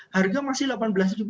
harga masih rp delapan belas lima ratus